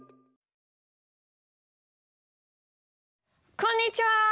こんにちは！